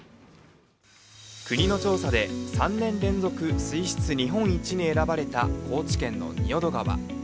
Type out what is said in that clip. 国の調査で３年連続水質日本一に選ばれた高知県の仁淀川。